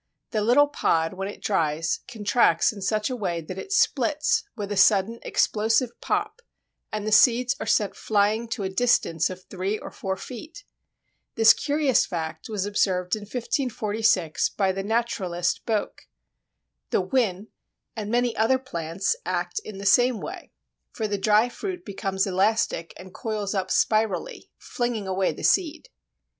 The little pod, when it dries, contracts in such a way that it splits with a sudden explosive pop, and the seeds are sent flying to a distance of three or four feet. This curious fact was observed in 1546 by the naturalist Boek. The Whin and many other plants act in the same way, for the dry fruit becomes elastic and coils up spirally, flinging away the seed.